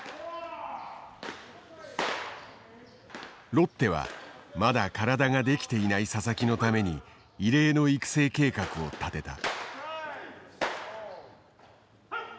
ロッテはまだ体ができていない佐々木のために異例の育成計画を立てた。